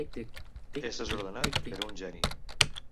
És desordenat, però un geni.